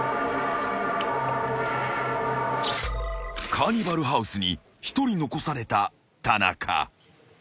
［カーニバルハウスに一人残された田中］